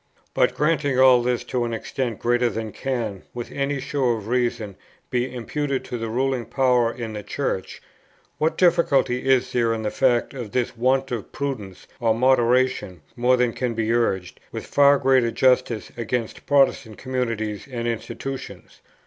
But granting all this to an extent greater than can with any show of reason be imputed to the ruling power in the Church, what difficulty is there in the fact of this want of prudence or moderation more than can be urged, with far greater justice, against Protestant communities and institutions?